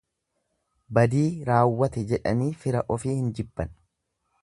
Badii raawwate jedhanii fira ofii hin jibban.